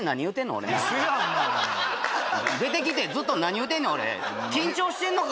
俺なうそやん出てきてずっと何言うてんねん俺緊張してんのか？